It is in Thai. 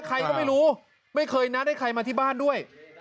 ใครก็ไม่รู้ไม่เคยนัดให้ใครมาที่บ้านด้วย